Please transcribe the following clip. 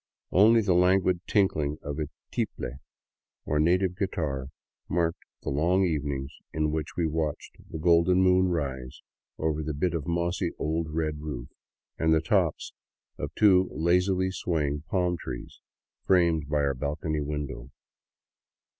Only the languid tinkhng of a tiple, or native guitar, marked the long evenings in which we watched the golden moon rise over the bit of mossy, old red roof and the tops of two lazily swaying palm trees framed by our balcony window.